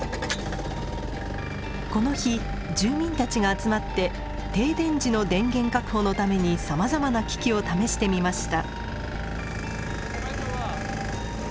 この日住民たちが集まって停電時の電源確保のためにさまざまな機器を試してみました。